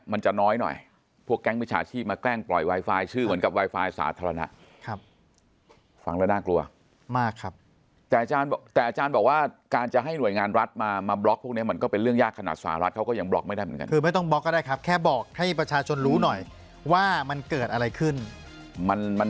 ตัวขาดตรงนี้มันจะน้อยน่ะแค่ที่แก้งผู้ชายมาแกล้งปล่อยไวไฟชื่อเหมือนกับ